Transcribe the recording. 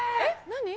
何？